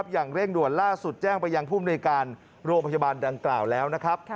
อย่างเร่งด่วนล่าสุดแจ้งไปอย่างพุ่มในการโรคพยาบาลดังกล่าวแล้ว